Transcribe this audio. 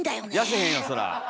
痩せへんよそら。